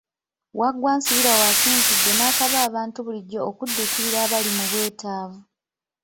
Waggwa Nsibirwa w'asinzidde n'asaba abantu bulijjo okudduukirira abali mu bwetaavu.